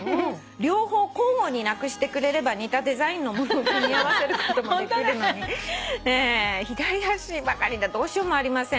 「両方交互になくしてくれれば似たデザインのものを組み合わせることもできるのに左足ばかりでどうしようもありません」